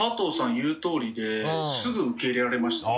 言うとおりですぐ受け入れられましたね。